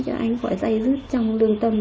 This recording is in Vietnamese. cho anh khỏi dây dứt trong lương tâm